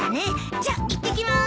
じゃあいってきます。